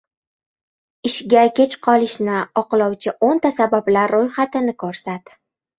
Ishga kech qolishni oqlovci o'nta sabablar ro'yxatini ko'rsat.